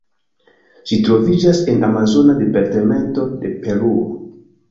Ĝi troviĝas en amazona departemento de Peruo.